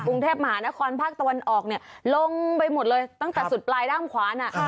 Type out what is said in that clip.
กรุงเทพมหานครภาคตะวันออกเนี่ยลงไปหมดเลยตั้งแต่สุดปลายด้ามขวาน่ะ